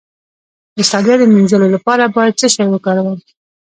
د ستړیا د مینځلو لپاره باید څه شی وکاروم؟